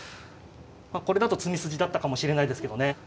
これだと詰み筋だったかもしれないですけどね。